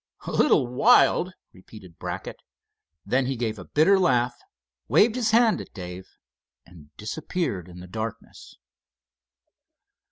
"A little wild!" repeated Brackett. Then he gave a bitter laugh, waved his hand at Dave, and disappeared in the darkness.